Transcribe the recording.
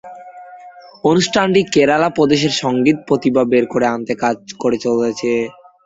অনুষ্ঠানটি কেরালা প্রদেশের সংগীত প্রতিভা বের করে আনতে কাজ করে চলেছে।